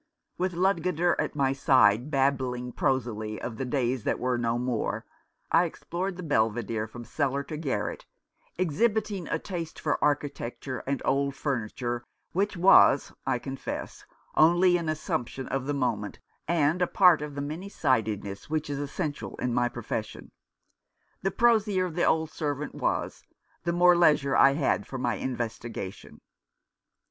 With Ludgater at my side, babbling prosily of the days that were no more, I explored the Belvidere from cellar to garret, exhibiting a taste for architecture and old furniture which was, I confess, only an assumption of the moment, and a part of the many sidedness which is essential in my profession. The prosier the old servant was the more leisure I had for my investigation.